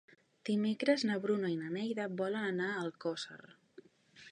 Dimecres na Bruna i na Neida volen anar a Alcosser.